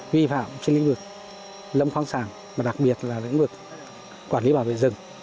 vi phạm trên lĩnh vực lâm khoáng sản và đặc biệt là lĩnh vực quản lý bảo vệ rừng